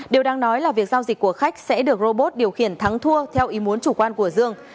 điều đang nói là việc giao dịch của khách sẽ được robot điều khiển thắng thua theo ý muốn chủ quan của dương